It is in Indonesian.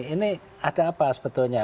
ini ada apa sebetulnya